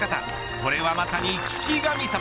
これはまさに利神様。